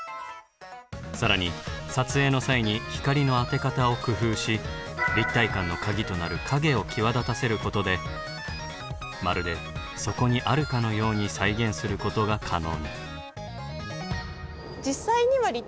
更に撮影の際に光の当て方を工夫し立体感のカギとなる影を際立たせることでまるでそこにあるかのように再現することが可能に。